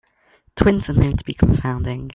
Twins are known to be confounding.